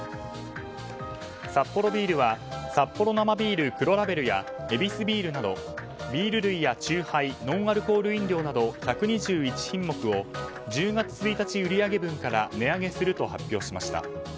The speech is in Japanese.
サッポロビールはサッポロ生ビール黒ラベルやエビスビールなどビール類や酎ハイノンアルコール飲料など１２１品目を１０月１日売上分から値上げすると発表しました。